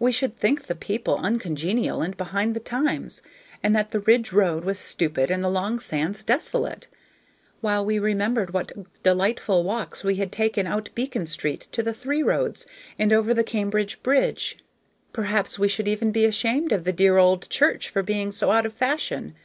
We should think the people uncongenial and behind the times, and that the Ridge road was stupid and the long sands desolate; while we remembered what delightful walks we had taken out Beacon Street to the three roads, and over the Cambridge Bridge. Perhaps we should even be ashamed of the dear old church for being so out of fashion.